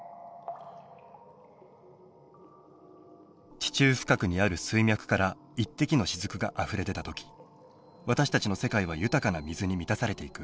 地中深くにある水脈から一滴の雫があふれ出た時私たちの世界は豊かな水に満たされていく。